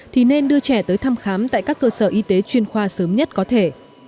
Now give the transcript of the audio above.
thì nên đưa trẻ tới thăm khám tại các cơ sở y tế chuyên khoa sớm nhất có thể